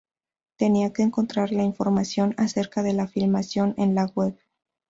Tenía que encontrar la información acerca de la filmación en la Web.